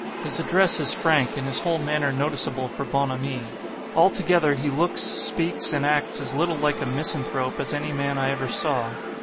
His address is frank, and his whole manner noticeable for bonhomie. Altogether, he looks, speaks, and acts as little like 'a misanthrope' as any man I ever saw.